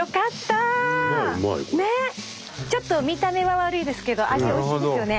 ちょっと見た目は悪いですけど味おいしいですよね。